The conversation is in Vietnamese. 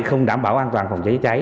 không đảm bảo an toàn phòng cháy cháy